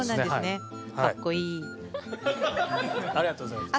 ありがとうございます。